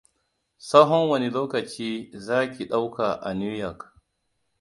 Tsahon wane lokaci za ki ɗauka a New York?